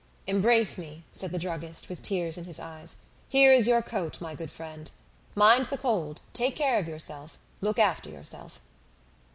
"Embrace me," said the druggist with tears in his eyes. "Here is your coat, my good friend. Mind the cold; take care of yourself; look after yourself."